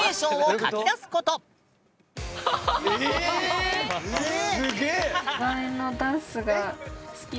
⁉すげえ！